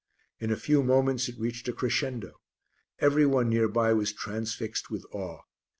In a few moments it reached a crescendo; everyone near by was transfixed with awe.